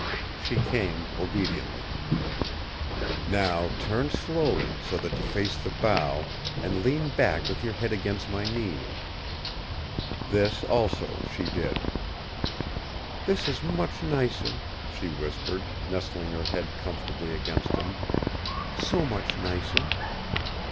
She came, obediently. "Now turn slowly, so that you face the bow, and lean back with your head against my knees." This also, she did. "This is much nicer," she whispered, nestling her head comfortably against him. "So much nicer."